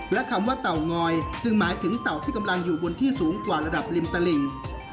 และคำว่าเตางอยจึงหมายถึงเต่าที่กำลังอยู่บนที่สูงกว่าระดับริมตลิ่ง